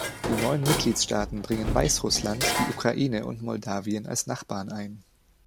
Die neuen Mitgliedstaaten bringen Weißrussland, die Ukraine und Moldawien als Nachbarn ein.